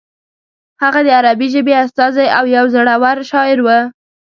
هغه د عربي ژبې استازی او یو زوړور شاعر و.